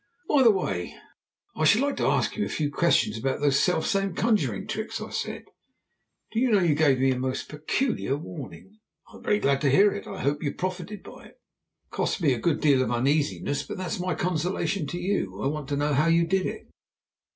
"By the way, I should like to ask you a few questions about those self same conjuring tricks," I said. "Do you know you gave me a most peculiar warning?" "I am very glad to hear it; I hope you profited by it." "It cost me a good deal of uneasiness, if that's any consolation to you. I want to know how you did it?"